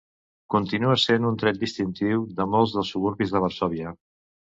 Continua sent un tret distintiu de molts dels suburbis de Varsòvia.